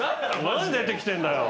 何出てきてんだよ。